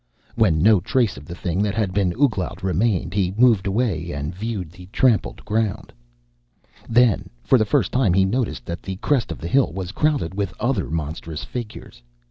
When no trace of the thing that had been Ouglat remained, he moved away and viewed the trampled ground. Then, for the first time he noticed that the crest of the hill was crowded with other monstrous figures.